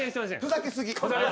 ふざけすぎ。